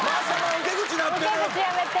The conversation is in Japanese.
受け口やめて。